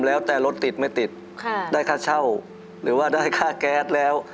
แล้วแต่รถติดไม่ติดได้ค่าเช่าหรือว่าได้ค่าแก๊สแล้ว